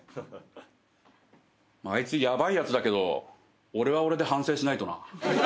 あいつヤバいやつだけど俺は俺で反省しないとな。